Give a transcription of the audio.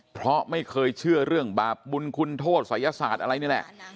เพราะไม่เคยเชื่อเรื่องบาปบุญคุณโทษศัยศาสตร์อะไรนี่แหละ